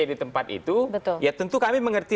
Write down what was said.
di tempat itu ya tentu kami mengerti